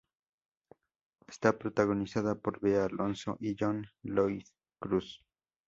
Está protagonizada por Bea Alonzo y John Lloyd Cruz.